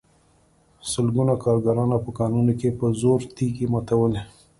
سلګونو کارګرانو په کانونو کې په زور تېږې ماتولې